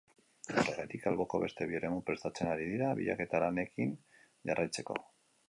Horregatik, alboko beste bi eremu prestatzen ari dira, bilaketa lanekin jarraitzeko.